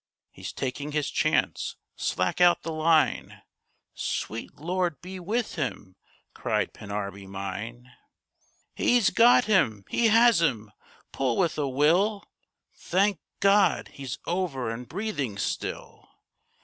He's taking his chance, Slack out the line! Sweet Lord be with him!' cried Pennarby mine. 'He's got him! He has him! Pull with a will! Thank God! He's over and breathing still.